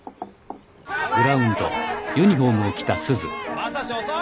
将志遅い！